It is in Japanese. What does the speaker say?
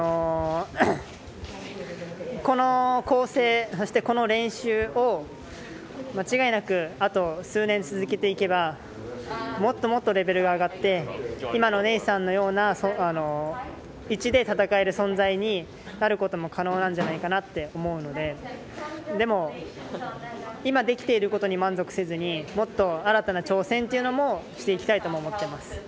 この構成そしてこの練習を間違いなくあと数年続けていけばもっともっとレベルが上がって今のネイサンのような位置で戦える存在になることも可能なんじゃないかと思うのででも、今できていることに満足せずにもっと新たな挑戦もしていきたいとも思っています。